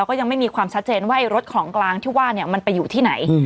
ก็ยังไม่มีความชัดเจนว่ารถของกลางที่ว่าเนี่ยมันไปอยู่ที่ไหน